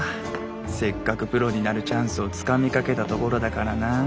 せっかくプロになるチャンスをつかみかけたところだからな。